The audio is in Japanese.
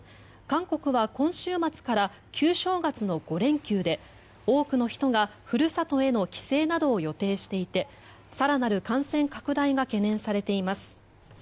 韓国は今週末から旧正月の５連休で多くの人がふるさとへの帰省などを予定していて更なる感染拡大が懸念されています。